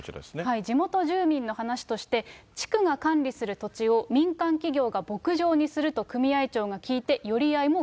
地元住民の話として、地区が管理する土地を民間企業が牧場にすると組合長が聞いて、牧場にすると。